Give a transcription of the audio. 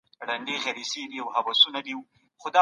په وروسته پاته هېوادونو کي ټکنالوژي لږ کارول کېږي.